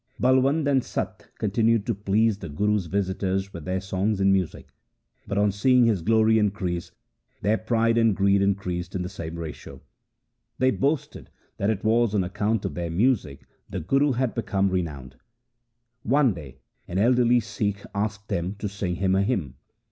Balwand and Satta continued to please the Guru's visitors with their songs and music ; but on seeing his glory increase, their pride and greed increased in the same ratio. They boasted that it was on account of their music the Guru had become re nowned. One day an elderly Sikh asked them to sing him a hymn.